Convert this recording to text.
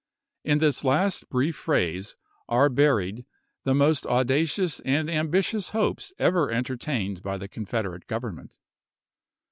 In this last brief phrase are buried the most audacious and ambitious hopes ever entertained by the Confederate Government.